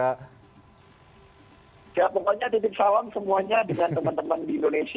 ya pokoknya titip sawang semuanya dengan teman teman di indonesia